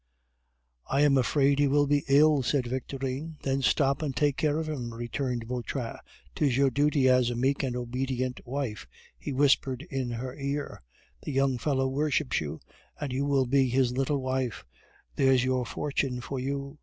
"I am afraid he may be ill," said Victorine. "Then stop and take care of him," returned Vautrin. "'Tis your duty as a meek and obedient wife," he whispered in her ear. "The young fellow worships you, and you will be his little wife there's your fortune for you.